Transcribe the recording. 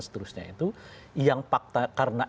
seterusnya itu yang fakta karena